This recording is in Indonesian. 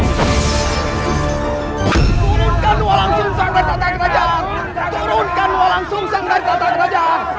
turunkan lu langsung sang darat kerajaan